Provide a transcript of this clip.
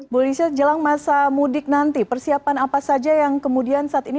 bu lisha jelang masa mudik nanti persiapan apa saja yang kemudian saat ini